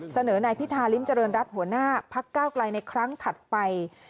เสนอนายพิธาริมเจริญรัฐหัวหน้าพักเก้าไกลในครั้งถัดไป